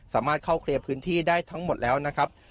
สามารถเข้าเคลียร์พื้นที่ได้ทั้งหมดแล้วนะครับ